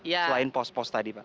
selain pos pos tadi pak